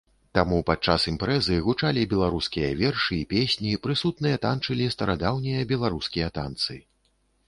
Таму падчас імпрэзы гучалі беларускія вершы і песні, прысутныя танчылі старадаўнія беларускія танцы.